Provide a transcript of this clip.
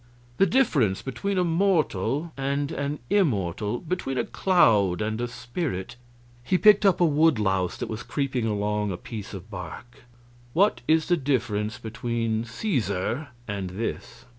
The difference between a mortal and an immortal? between a cloud and a spirit?" He picked up a wood louse that was creeping along a piece of bark: "What is the difference between Caesar and this?"